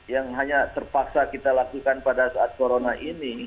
yang hanya terpaksa kita lakukan pada saat corona ini